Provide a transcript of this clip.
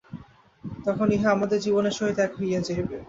তখন ইহা আমাদের জীবনের সহিত এক হইয়া যাইবে।